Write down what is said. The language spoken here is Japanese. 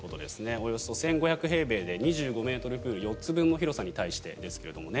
およそ１５００平米で２５ｍプール４つ分の広さに対してなんですけどね。